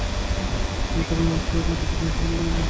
তিনি তার একমাত্র পুত্র মুহাম্মদের জন্ম দেন।